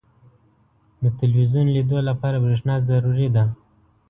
• د ټلویزیون لیدو لپاره برېښنا ضروري ده.